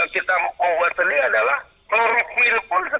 ya ketika disampaikan bahwa ini adalah ombat kloroquine ini segala macam